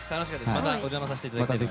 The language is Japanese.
またお邪魔させていただきます。